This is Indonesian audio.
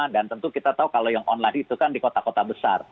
dan tentu kita tahu kalau yang online itu kan di kota kota besar